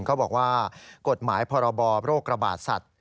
เขาบอกว่ากฎหมายพรบโรคระบาดสัตว์